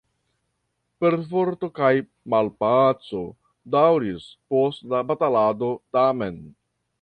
Perforto kaj malpaco daŭris post la balotado tamen.